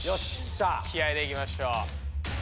気合いでいきましょう。